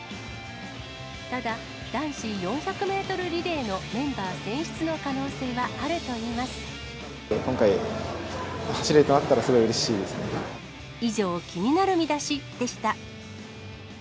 ただ、男子４００メートルリレーのメンバー選出の可能性はあるといいま今回、走れるとなったら、以上、気になるミダシでした。